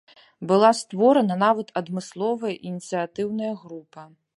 Была створана нават адмысловая ініцыятыўная група.